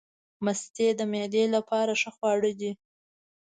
مستې د معدې لپاره ښه خواړه دي.